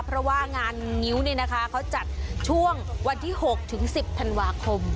เพราะว่างานงิ้วนี่นะคะเขาจัดช่วงวันที่๖ถึง๑๐ธันวาคม